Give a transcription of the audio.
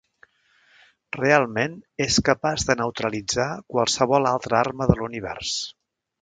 Realment és capaç de neutralitzar qualsevol altra arma de l'univers.